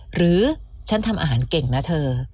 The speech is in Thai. หรือฉันทำอาหารเก่งนะเธอ